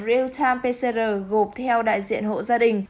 real time pcr gộp theo đại diện hộ gia đình